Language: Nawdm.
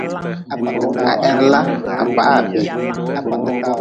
Ha heri la ha kpah ha bii.